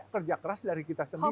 kerja keras dari kita sendiri